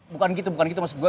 bukan gitu bukan kita maksud gue